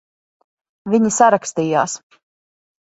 Viņi sarakstījās.